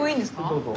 どうぞ。